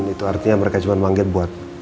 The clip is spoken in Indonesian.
itu artinya mereka cuma manggil buat